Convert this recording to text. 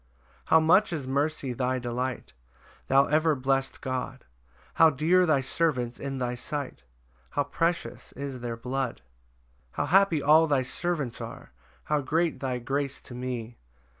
3 How much is mercy thy delight, Thou ever blessed God! How dear thy servants in thy sight! How precious is their blood! 4 How happy all thy servants are! How great thy grace to me!